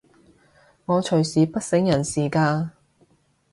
我隨時不省人事㗎